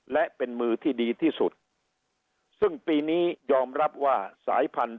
และเป็นมือที่ดีที่สุดซึ่งปีนี้ยอมรับว่าสายพันธุ